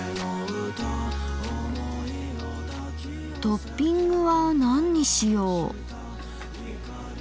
トッピングは何にしよう？